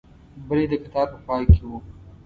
بل یې د کتار په پای کې و.